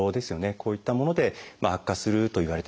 こういったもので悪化するといわれてます。